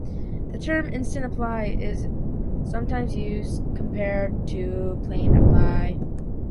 The term "instant-apply" is sometimes used, compared to plain "apply".